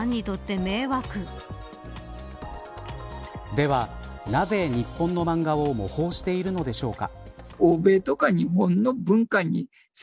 では、なぜ日本の漫画を模倣しているのでしょうか。